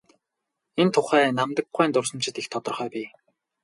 Энэ тухай Намдаг гуайн дурсамжид их тодорхой бий.